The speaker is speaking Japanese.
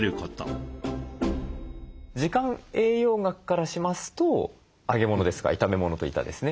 時間栄養学からしますと揚げ物ですとか炒め物といったですね